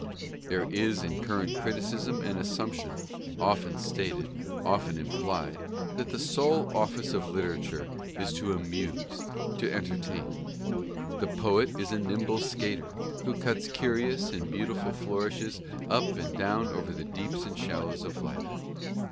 There is in current criticism an assumption, often stated, often implied, that the sole office of literature is to amuse, to entertain. The poet is a nimble skater who cuts curious and beautiful flour ishes up and down over the deeps and shallows of life.